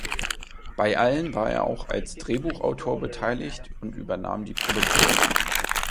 Bei allen war er auch als Drehbuchautor beteiligt und übernahm die Produktion.